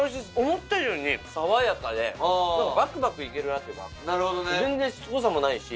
思った以上に爽やかでバクバクいけるなっていうか。